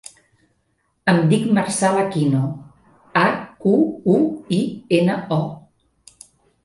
Em dic Marçal Aquino: a, cu, u, i, ena, o.